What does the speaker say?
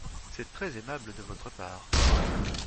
C’est très aimable de votre part.